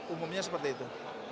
umumnya seperti itu